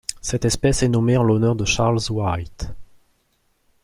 Cette espèce est nommée en l'honneur de Charles Wright.